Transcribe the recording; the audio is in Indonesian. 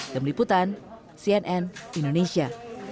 demi liputan cnn indonesia